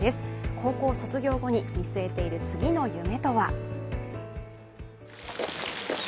高校卒業後に見据えている次の夢とは？